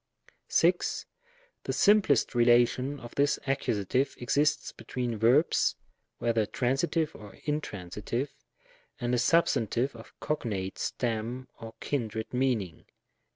6. The simplest relation of this Accus. exists be tween verbs, whether transitive or intransitive, and a substantive of cognate stem or kindred meaning.